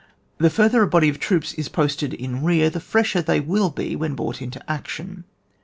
The ftirther a body of troops is posted in rear, the fresher they will be when brought into action.